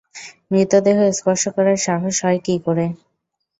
মৃতদেহ স্পর্শ করার সাহস হয় কি করে?